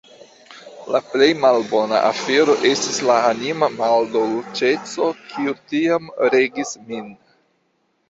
La plej malbona afero estis la anima maldolĉeco, kiu tiam regis min.